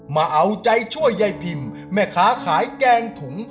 มาเอาใจช่วยยายพิมแม่ค้าขายแกงถุง